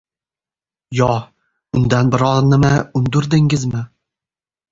Yo, undan biron nima undirdingizmi!